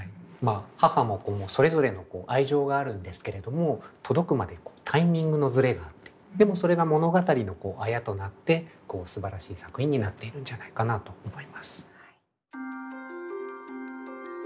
母も子もそれぞれの愛情があるんですけれども届くまでタイミングのズレがあってでもそれが物語のあやとなってすばらしい作品になっているんじゃないかなと思います。